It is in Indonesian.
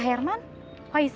pak herman pak isha